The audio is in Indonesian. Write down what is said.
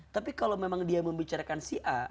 tapi kalau memang dia membicarakan si a